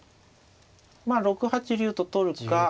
まあ６八竜と取るか。